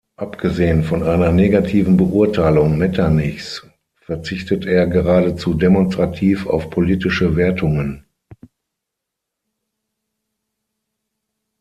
Abgesehen von einer negativen Beurteilung Metternichs verzichtet er geradezu demonstrativ auf politische Wertungen.